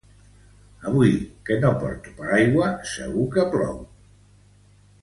Avui que no porto paraigua segur que plou.